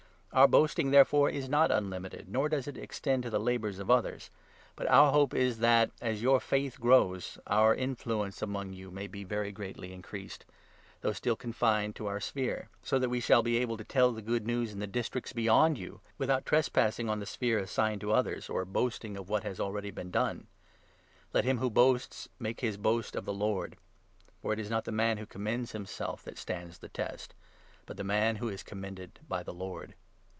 Our boasting, there 15 fore, is not unlimited, nor does it extend to the labours of others ; but our hope is that, as your faith grows, our influence among you maybe very greatly increased — though still confined to our sphere — so that we shall be able to tell the Good News in 16 the districts beyond you, without trespassing on the sphere assigned to others, or boasting of what has been already done. ' Let him who boasts make his boast of the 17 Lord.' For it is not the man who commends himself that 18 stands the test, but the man who is commended by the Lord.